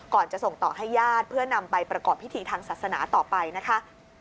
จะส่งต่อให้ญาติเพื่อนำไปประกอบพิธีทางศาสนาต่อไปนะคะ